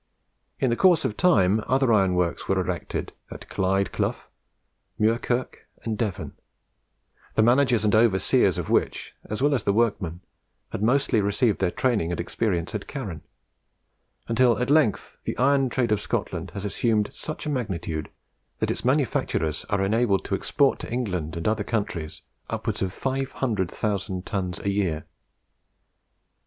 In course of time other iron works were erected, at Clyde Cleugh, Muirkirk, and Devon the managers and overseers of which, as well as the workmen, had mostly received their training and experience at Carron until at length the iron trade of Scotland has assumed such a magnitude that its manufacturers are enabled to export to England and other countries upwards of 500,000 tons a year.